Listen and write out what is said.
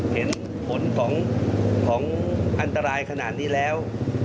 เห็นผลของอันตรายขนาดนี้แล้ว